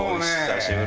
久しぶり。